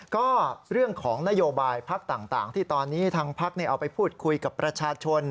ก็เรื่องของนโยบายพักต่างที่ตอนนี้ทางพักเอาไปพูดคุยกับประชาชน